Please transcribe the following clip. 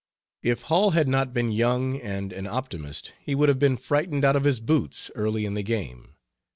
If Hall had not been young and an optimist, he would have been frightened out of his boots early in the game.